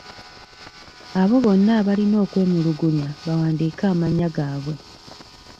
Abo bonna abalina okwemulugunya bawandiike amannya gaabwe.